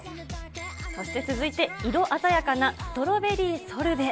そして続いて、色鮮やかなストロベリーソルベ。